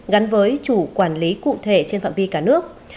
gắn với chủ quản lý cụ thể trên phạm vi cả nước